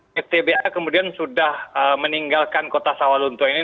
pt ba kemudian sudah meninggalkan kota sawalunto ini